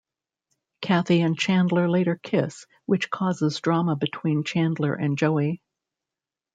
Kathy and Chandler later kiss, which causes drama between Chandler and Joey.